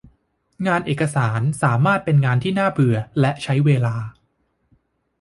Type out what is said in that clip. งานเอกสารสามารถเป็นงานที่น่าเบื่อและใช้เวลา